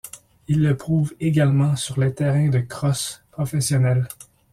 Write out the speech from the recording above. Il le prouve également sur les terrains de crosse professionnelle.